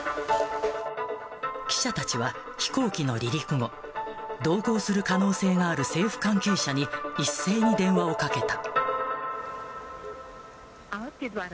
記者たちは飛行機の離陸後、同行する可能性がある政府関係者に一斉に電話をかけた。